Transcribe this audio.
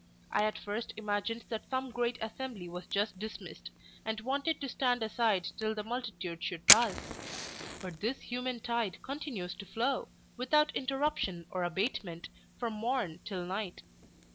I at first imagined that some great assembly was just dismissed, and wanted to stand aside till the multitude should pass; but this human tide continues to flow, without interruption or abatement, from morn till night.